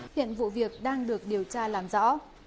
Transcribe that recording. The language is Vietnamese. hiện vụ việc đang được điều tra làm rõ